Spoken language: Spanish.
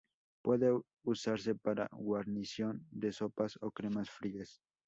Puede usarse como guarnición de sopas o cremas frías.